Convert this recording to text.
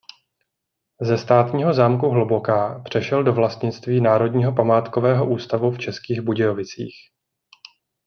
Ze státního zámku Hluboká přešel do vlastnictví Národního památkového ústavu v Českých Budějovicích.